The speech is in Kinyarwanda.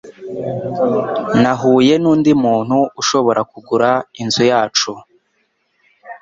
Nahuye nundi muntu ushobora kugura inzu yacu.